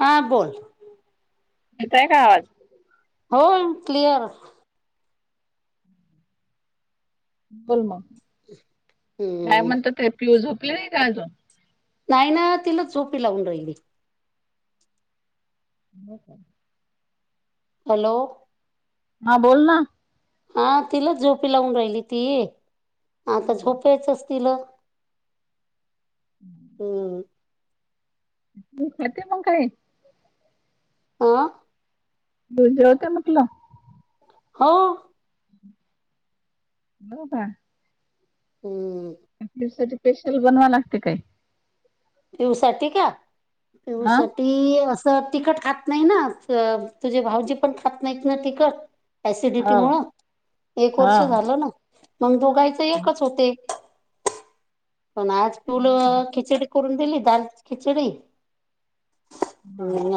हा, बोल. येतय का आवाज? होम क्लिअर. बोल मग [inaudible] काय हम्म म्हणता ते पियू झोपली नाय का अजून? नाय ना तिलाच झोपी लावून राहिली. हो का? हॅलो. हा बोल ना. हा तिलाच झोपी लावून राहिली ती. [inaudible] आता झोपायचच तिला. [inaudible] हम्म. ती खात्या मंग काय? हा. [unintelligible] म्हटलं. हो. हो का. हम्म. दिवसाचे स्पेशल बनवा लागते काय? [unintelligible] हा. ती असं तिखट खात नाही ना. अह तुझे भाऊजी पण खात नाहीत ना तिखट ऍसिडिटी हा मुळं एक हा. वर्ष झालं ना, मग दोघांच एकच होते. पण आज फूल हो का? खिचडी करून दिली दाल खिचडी. हा हम,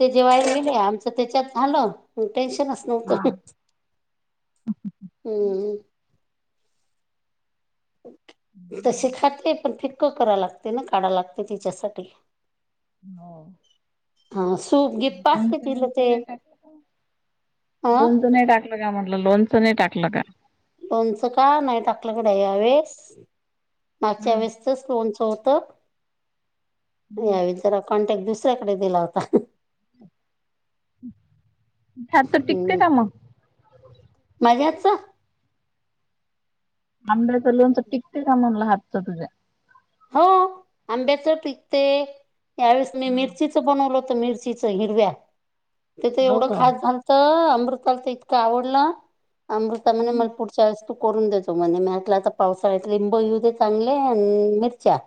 ते जेवायला गेले आमचं त्याच्यात झालं. टेन्शनच हा. नव्हतं. हम्म, हम्म. तशी खाते पण फिक्क करा लागते ना, काढा लागते तिच्यासाठी. हो. हा सूप गिप लोंणच असते तिला बींच ते नाही टाकल का? अ लोणचं नाही टाक टाकलं काय म्हटलं लोणचं नाही टाकलं का? लोणचं का नाही टाकलं ह्या वेळेस. मागच्या वेळेस चच लोणच होत हम्म. यावेळी जरा कॉन्टॅक्ट दुसऱ्याकडे दिला होता. ते आता टिकते का मग? माझ्या हातचं? आंब्याचे लोणचं टिकते का म्हणलं हातचं तुझ्या? हो आंब्याच टीकते. यावेळेस मी मिरचीच बनवलं हो तर मिर चीच हिरव्या ते तर हो एवढ का? खास झाल त अमृताला तर इतकं आवडलं. अमृता म्हणे मला हम्म. पुढ च्या वेळेस तू करून देतो म्हणे म्हटलं आता पावसाळ्यात लिंब येऊ दे चांगले आणि मिरच्या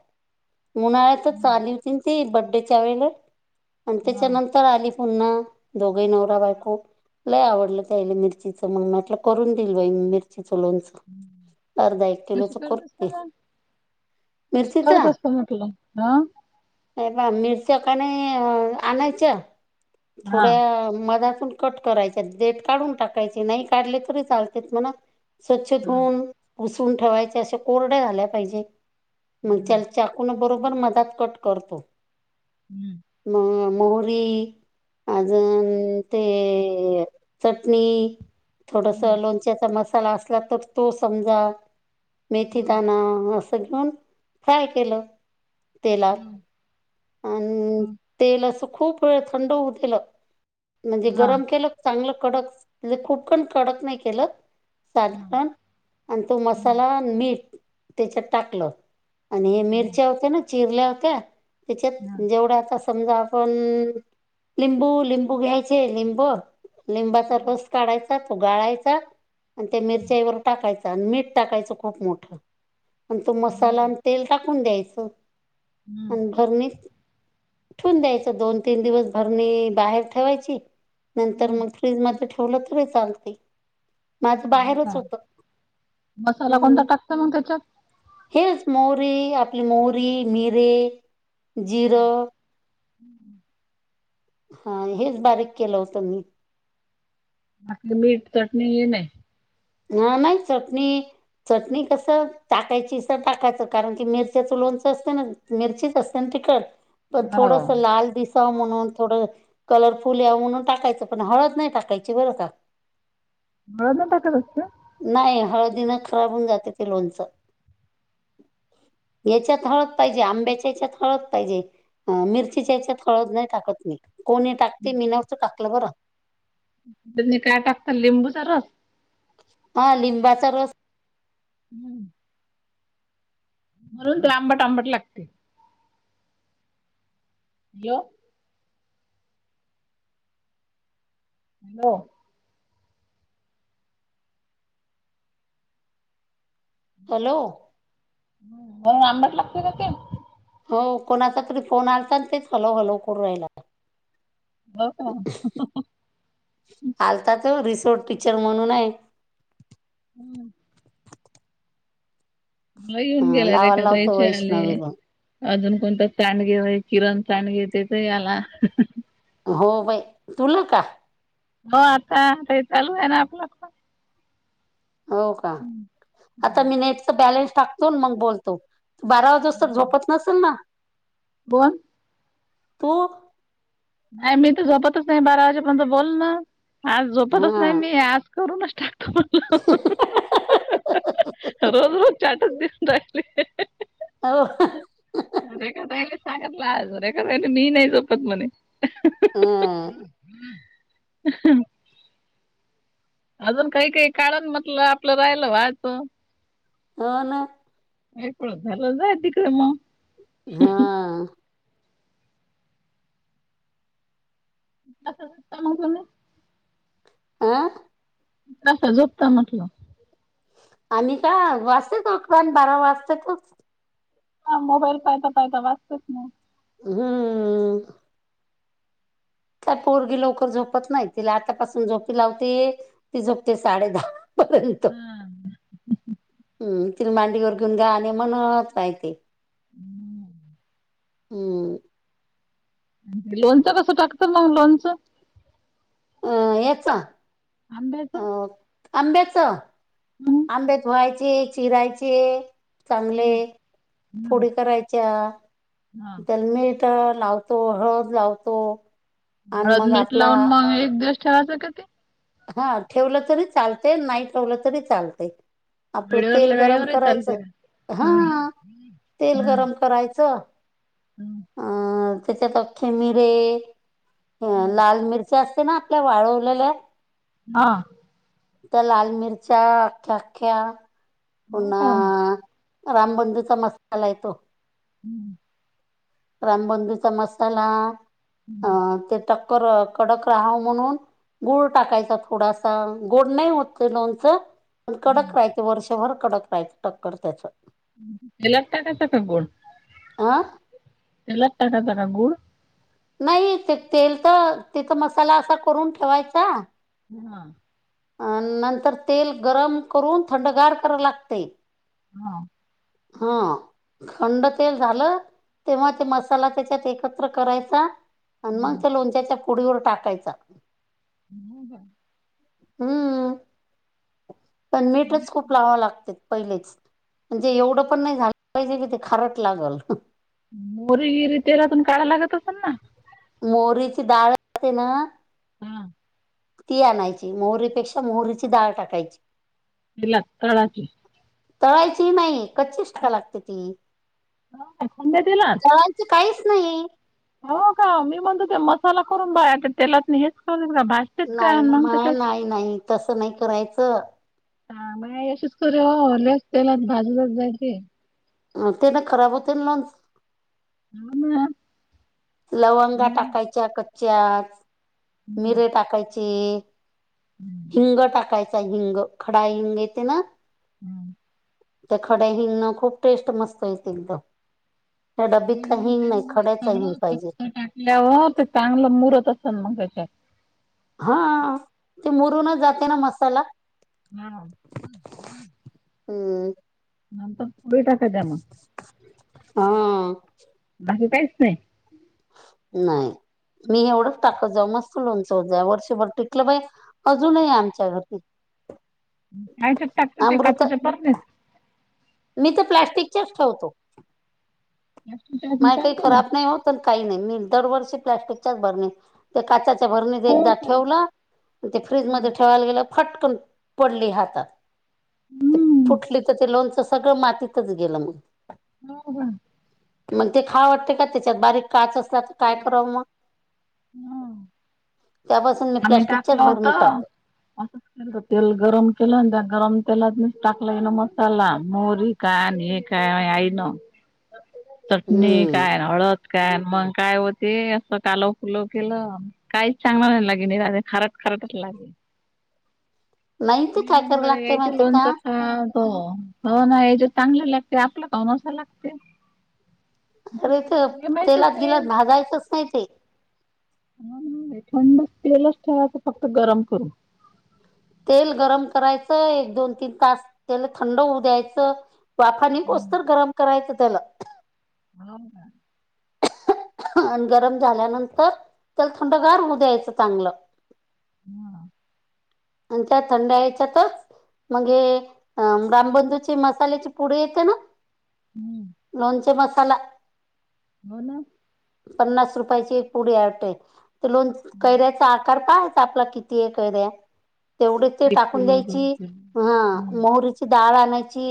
उन्हाळ्यातंच आली होती ना ती बर्थच्या वेळेला आणि हा. त्याच्यानंत तर आली पुन्हा दोघे नवरा बायको. लय आवडलं त्याला मिरचीचं मग म्हटलं करून देईल बाई मिरचीच लोणच. हम्म. अर्धा, एक किलोच करून देईन. तशी करत असत म्हटलं ना हे पहा मिरच्या का नाही आणायच्या हा थोड्या मधातून कट करायचे, डेट काढून टाकायचे नाही काढले तरी चालतेत म्हणा. स्वच्छ हा धुऊन, पुसून ठेवायचे अशे कोरड्या झाल्या पाहिजे. मग हा त्याला चाकून बरोबर मधात कट करतो. हम्म म मोहरी अजून ते चटणी थोडस हम्म लोणच्याचा मसाला असला तर तो समजा हम्म मेथीदाना असं घेऊन फ्राय केलं तेलात. हम्म आन हम्म तेल असं खूप वेळ थंड होऊ दिल. म्हणजे हा गरम केलं चांगलं कडक म्हणजे खूप पण कडक नाही केलं. [unintelligible] हा आणि तो हम्म मसाला आणि मीठ त्याच्यात टाकलं. आणि हे हा मिरच्या होत्या ना चिरल्या होत्या त्याच्यात हा जेवढ्याचा समजा आपण लिंबू लिंबू घ्यायचे लिंब लिंबाचा हा रस काढायचा, तो गाळायचा आणि त्या मिरच्यावर टाकायचा त्यानं मीठ टाकायचं खूप मोठं आणि तो हो मसाला का आणि तेल टाकून द्यायचं हम्म आन भरणीत ठेवून द्यायच. दोन तीन दिवस भरणी बाहेर ठेवायची नंतर हम्म मग फ्रीज मध्ये ठेवलं तरी चालते. माझं हो बाहेरच का होत मसाला कोणता हम्म टाकत म त्याच्यात? हेच मोरीे आपली मोरी मिरे जिरं हम्म [inaudible] हां हेच बारीक केलं होतं मी. आख्खे मीठ चटणी हे नाही? ना नाही चटनी चटणी कसं टाकायची सर टाकायचं कारण की मिरच्याचं लोणचं असतं ना. मिरचीच असत ना तिकट पण हो थोडस लाल दिस त म्हणून थोडं कलरफुल या म्हणून टाकायचं पण हळद नाही टाकायची बरं का. हळद नाही टाकत असंत. नाही हळदी न खराब होऊन जातं ते लोणचं. [inaudible] याच्यात हळद पाहिजे आंब्याच्या हच्यात हळद पाहिजे. अ मिरचीच्या याच्यात हळद नाही टाकत मी कोणी टाकते मिनवत टाकलं बरं. तुम्ही काय टाकता लिंबूचा रस? हा लिंबाचा रस. हम्म. म्हणून ते आंबट आंबट लागते. यो. हॅलो. हॅलो. म आंबट लागतं ना ते. हो कोणाचा तरी फोन आलता आणि तेच हलव हलव करू राहिला काय. हो का. आलता त रिसोट टिचर म्हणून आहे. हम्म. मला येऊन गेला लावायला रेखा लावतो ताईचे आले. वैष्णवीला अजून कोणता स्टॅन्ड घेवाय किरण स्टॅन्ड घेेतेत याला हं हं. हो बाई तुला का? हो आता ते चालू आहे ना आपलं. हो का आता मी नेटच बॅलन्स टाकतोन मंग बोलतो. बारा वाजेस्तो झोपत नसेल ना? बोन? तू. नाही मी त झोपतच नाही बारा वाजेपर्यंत बोल ना आज झोपतच हा नाही मी आज करू नच टा रोज रोज चाटच दिसून राहिले. आव हं. रेखा ताईनं सांगतला आज रेखा ताई मी नाही झोपत म्हणे. अहा. अहं. अजून काही काही काळण म्हटलं आपलं राहिलं व्हायचं. हो ना. ऐकळ झालं जा तिकळं म. हा. कसं [unintelligible] आं. कस झोपता म्हटलं? आम्ही का वाजतो झोपतान बारा वाजतातच. हा मोबाईल पायका पायका वाजतात नई. हम्म काय पोरगी लवकर झोपत नाही तिला आतापासून झोपी लावते ती झोपते साडे दहा पर्यंत हा हम्म तिला मांडीवर घेऊन गाणे म्हणत राहते हम्म हम्म लोणचं कसं टाकता मग लोणचं अ याचं आंब्याच आंब्याच आंबे धुवायचे चिरायचे चांगले हं. फोडी करायच्या हा त्याला मीठ लावतो हळद लावतो आणि हळद, मग मीठ आपला लावून मग एक दिवस ठेवायचं का ते हा ठेवलं तरी चालतंय नाही ठेवलं तरी चालतंय आपलं वेळेवर तेल गरम वेळेवरही करायचं चालते का? हा हं. तेल गरम करायचं हम्म अ त्याच्यात आख्खे मिरे लाल मिर त्या असते ना आपल्या वाळवलेल्या हा त्या लाल मिरच्या आख्खा हो पुन्हा का? रामबंधूचा मसाला येतो हम्म रामबंदूचा मसाला अ ते टक्कर कडक राहावं म्हणून गुळ टाकायचा थोडासा गोड नाही होत ते लोणचं पण हं. कडक राहियत वर्षभर कडक राहियत टक्कर त्याचं हम्म लागता कस का गोड आह लागता का जरा गुळ नाही ते तेल तर तिथं मसाला असा करून ठेवायचा हा अ नंतर तेल गरम करून थंडगार कराव लागतय हा हा थंड तेल झालं तेव्हा ते मसाला त्याच्यात एकत्र करायचा आणि मग हम्म, त्या लोणच्याच्या फोडीवर टाकायचा हो का हम्म पण मीठच खूप लावावं लागते पहिलेच म्हणजे एवढं पण नाही झालं पाहिजे की ते खारट लागल मोहरी, जिरी तेलातून काढावं लागत असेल ना मोहरीची डाळ असते ना हा ती आणायची मोहरीपेक्षा मोहरीची डाळ टाकायची ती लागते तळायची तळायची नाही कच्चीच छान लागते ती खंड्या तेलात काहीच नाही हो का मी म्हणते ते मसाला करून बाया तेलातनी हेच करून का भाजतेत काय नाही ना मग माया त्यांच्यात नाही नाही तसं नाही करायचं हा माझी आय अशाची करून लईच तेलात भाजून जायची तेन खराब होते लोणच हो ना लवंगा हम्म टाकायच्या कच्च्याच हम्म मिरे टाकायचे हम्म हिंग टाकायचा हिंग खडा हिंग येते ना? हम् त्या खड्या हिगणं खूप टेस्ट मस्त येते एकदम त्या डब्बीतला म्हणून हींग ते नाही मग हे खड्याचा हींग सगळं फक्त टाकल्यावर ते चांगलं मुरत असन मग त्याच्यात हा ते मुरूनच जाते ना मसाला हम [inaudible] हम्म नंतर पुढे टाका द्या मग हा बाकी काहीच नाही? नाही मी एवढंच टाकत जाऊ मस्त लोणचं होत जाय वर्षभर टिकलं बाई अजूनही आमच्या घरती [unintelligible] टाकता काय काचच्या बरणीत? मी तर प्लास्टिकच्याच ठेवतो प्लास्टिकच्या ह्याच्यात माझ काय चालते का खराब नाही होत पण काही नाही मी दरवर्षी प्लस्टिकच्याच भरणीत ते काच्याच्या भरणीत हो एकदा का ठेवलं ते हा. फ्रीजमध्ये ठेवायला गेलं फटकन पडली हातात ती हम्म फुटली तर ते लोणच सगळं मातीतच गेलं मग हो काय मग ते खाव वाटतं का? त्याच्यात बारीक काच असला तर काय कराव म? हा तेव्हापासून मी प्लॅस्टिकच्याच भरणीत टाकतं असं के तेल गरम केलं त्या गरम तेलात मी टाकला ये ना मसाला मोहरी का नं हे काय आई न चटणी काय हम्म हळद काय मग काय वोते असं कालव फुलव केलं काहीच चांगलं राहील खारट खरटच लागलं नाही ते मी काय कराव मुनगड लागते यायचेच माहितीय का लोणचं खा हो हो ना या जे चांगलं लागते आपला कावुन असं लागते? माहितच नाही च नाही ते थंड तेलच ठेवाचं फक्त गरम करून तेल गरम करायचं एक दोन तीन तास तेलं थंड होऊ द्यायचं वाफा हो निघुस्तं गरम करायचं त्याला [inaudible] हो का [unintelligible] आणि गरम झाल्यानंतर त्याला थंडगार होऊ द्यायचं चांगलं हा आणि त्या थंड ह्याच्यातच मग एक रामबंधूची मसाल्याची पुडी येते ना? ह लोणचे मसाला? हो ना पन्नास रुपयाची एक पुडी हाय वाटतं तर लोन कैऱ्याचा आकार पाहयचा आपला कितीय कैर्या तेवढी ते एक टाकून किलो दोन द्यायची किलो हा हम्म मोहरीची डाळ आणायची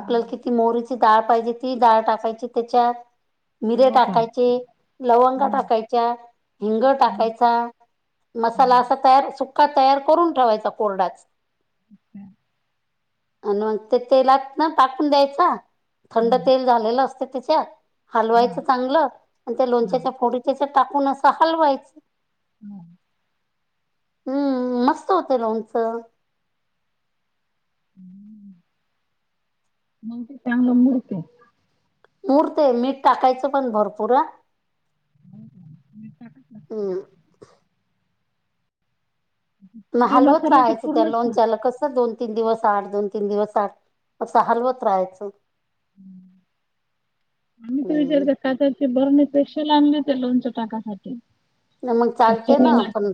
आपल्याला हम्म किती मोहरीची डाळ पाहिजे ती डाळ टाकायची त्याच्यात मिरे हो का टाकायचे लवंगा हम्म टाकायच्या हिंग हम्म टाकायचा मसाला हम्म असा तयार सुका तयार करून ठेवायचा कोरडाच त्या- आण मग ते तेलात ना टाकून द्यायचा थंड हम्म तेल झालेलं असत त्याच्यात हा हलवायचं चांगलं आणि त्या हा हा लोणच्याच्या फोडी त्यात टाकून असं हलवायच हं हं मस्त होत लोणचं मग ते चांगलं मुरते. मूरतय मीठ टाकायचं पण भरपूर [unintelligible] हम्म मग मी हलवत मसाल्याचे राहायचं त्या पूर्णच खा लोणच्याला कसं दोन दोन, तीन दिवस आड दोन, तीन दिवस आड मग हलवत राहायचं. आम्ही तू विचारत. हम्म का त्याची बरणी स्पेशल आणली ते लोणच्या टाकायसाठी मग चालते ना पण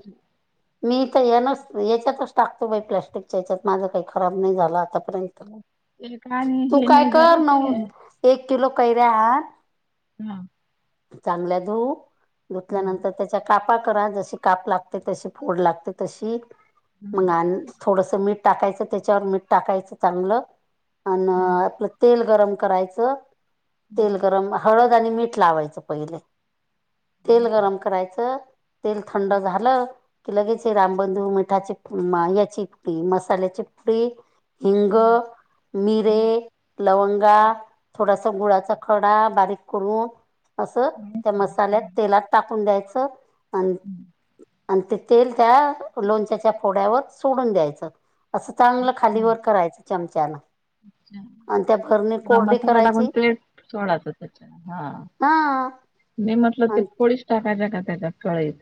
मी तर याच याच्यातच टाकतो बाई प्लॅस्टिकच्या याच्यात माझं काही खराब नाही झालं आता ते आणि तू हे काय नाही कर झालं न ते एक किलो कैऱ्या आण हा. चांगल्या धुव हा धुतल्यानंतर त्याच्या कापा करा जशी काप लागते, तशी फोड लागते तशी हा मग थोडस मीठ टाकायचं त्याच्यावर मीठ टाकायचं चांगलं अ आपलं तेल गरम करायचं, तेल गरम हळद आणि मीठ लावायचं पहिले तेल गरम करायचं तेल थंड झालं की लगेच रामबंधू मिठाची याची पुडी मसाल्याची पुडी हिंग मिरे लवंगा थोडासा गुळाचा खडा बारीक करून असं त्या मसाल्यात तेलात टाकून द्यायचं आणि आणि ते तेल त्या लोणच्याच्या फोड्यावर सोडून द्यायचं. असं चांगलं खालीवर करायचं चमचान अच्छा. हा मसाला करायची टाकून [unintelligible] सोडायच त्याच्या हा हा मी म्हटलं ते फोडीच टाकायच्या का त्याच्या कडयीत